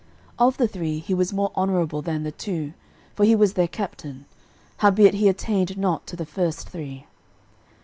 13:011:021 Of the three, he was more honourable than the two; for he was their captain: howbeit he attained not to the first three.